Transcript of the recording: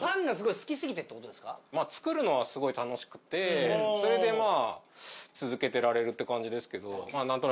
あっでもすごいまあ作るのはすごい楽しくてそれでまあ続けてられるって感じですけど。